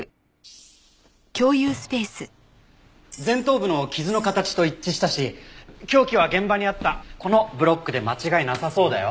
前頭部の傷の形と一致したし凶器は現場にあったこのブロックで間違いなさそうだよ。